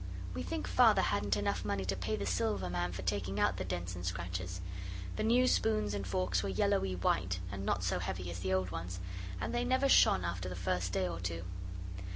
We think Father hadn't enough money to pay the silver man for taking out the dents and scratches. The new spoons and forks were yellowy white, and not so heavy as the old ones, and they never shone after the first day or two.